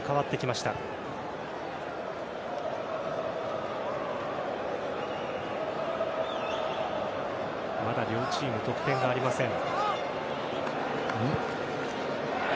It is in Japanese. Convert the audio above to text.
まだ両チーム、得点がありません。